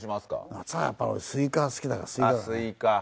夏はやっぱり俺スイカ好きだからスイカとかね。